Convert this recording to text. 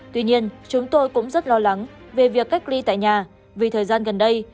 tuy nhiên chúng tôi cũng rất lo lắng về việc cách ly tại nhà vì thời gian gần đây